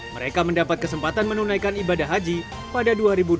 mereka mendapat kesempatan menunaikan ibadah haji pada dua ribu dua puluh